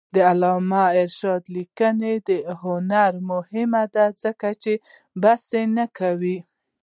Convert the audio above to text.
د علامه رشاد لیکنی هنر مهم دی ځکه چې بسنه نه کوي.